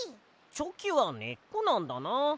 」チョキはねっこなんだな。